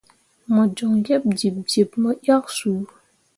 Mo joŋ yeb jiɓjiɓ mo yak su.